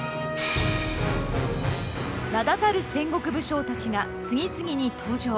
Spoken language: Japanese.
名だたる戦国武将たちが次々に登場。